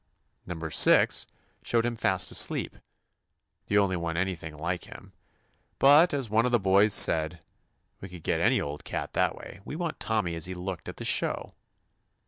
Number six showed him fast asleep, — the only one any thing like him, — but, as one of the boys said, "We could get any old cat that way; we want Tommy as he looked at the show."